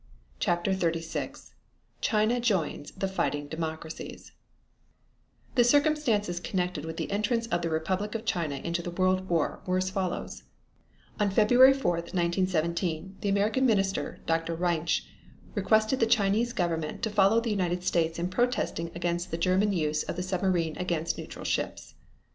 CHAPTER XXXVI CHINA JOINS THE FIGHTING DEMOCRACIES The circumstances connected with the entrance of the Republic of China into the World War were as follows: On February 4, 1917, the American Minister, Dr. Reinsch, requested the Chinese Government to follow the United States in protesting against the German use of the submarine against neutral ships.